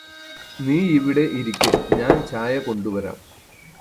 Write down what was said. നീയിവിടെ ഇരിക്ക് ഞാന് ചായ കൊണ്ടുവരാം